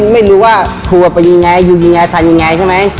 ไม่รู้ว่าทวนไปยังไงอยู่อย่างไรถ่ายอย่างไรซะไหม